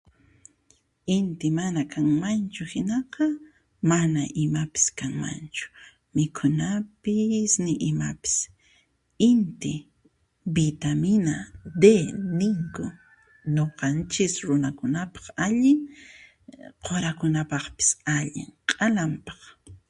Inti mana kanmanchu hinaqa, mana imapis kanmanchu, mikhunapis ni imapis, inti vitamina d ninku, nuqanchis runakunap allin, qurakunapaqpis allin qalampaq.